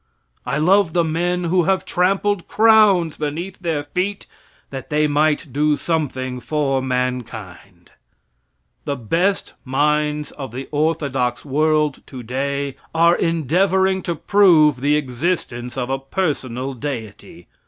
I love the men who have trampled crowns beneath their feet that they might do something for mankind. The best minds of the orthodox world, today, are endeavoring to prove the existence of a personal Deity.